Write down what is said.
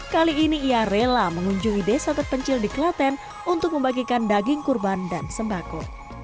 kali ini ia rela mengunjungi desa terpencil di klaten untuk membagikan daging kurban dan sembako